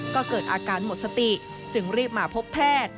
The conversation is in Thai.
ก็เกิดอาการหมดสติจึงรีบมาพบแพทย์